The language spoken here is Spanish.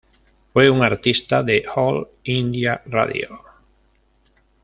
Fue un artista de "All India Radio".